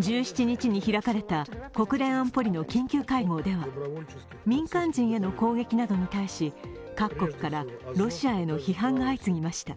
１７日に開かれた国連安保理の緊急会合では民間人への攻撃などに対し各国からロシアへの批判が相次ぎました。